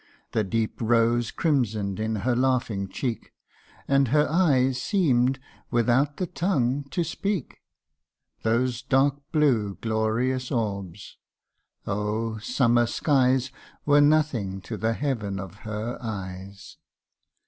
The deep rose crimson'd in her laughing cheek, And her eyes seem'd without the tongue to speak ; Those dark blue glorious orbs ! oh ! summer skies Were nothing to the heaven of her eyes.